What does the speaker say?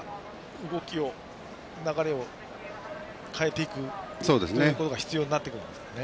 何か、動きを、流れを変えていくということが必要になってくるんですね。